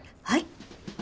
はい。